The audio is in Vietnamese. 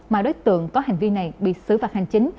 mà đối tượng có hành vi này bị xử phạt hành chính